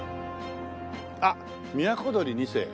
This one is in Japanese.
あっみやこどりⅡ世。